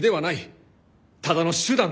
ただの手段です。